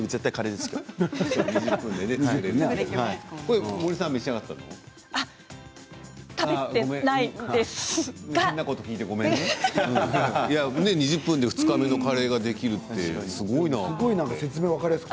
でも、２０分で２日目のカレーが出るってすごいです。